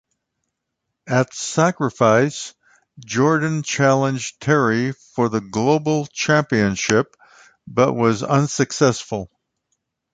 At Sacrifice Jordan challenged Terry for the Global Championship, but was unsuccessful.